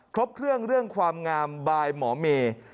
ครบเครื่องเรื่องความงามบายหมอเมย์